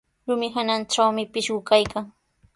Rumi hanantrawmi pishqu kaykan.